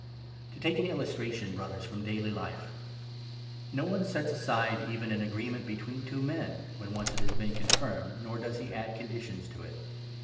To take an illustration, Brothers, from daily life :— No one 15 sets aside even an agreement between two men, when once it has been confirmed, nor does he add conditions to it.